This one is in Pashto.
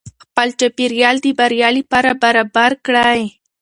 خپل چاپیریال د بریا لپاره برابر کړئ.